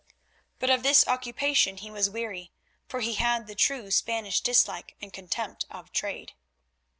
But of this occupation he was weary, for he had the true Spanish dislike and contempt of trade.